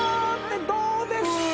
どうですか？